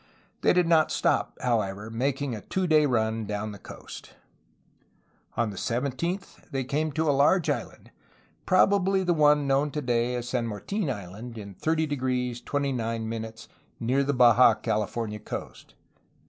They did not stop, however, making a two day run down the coast. On the 17th they came to a large island, probably the one known today as San Martin Island in 30° 29' near the Baja California coast.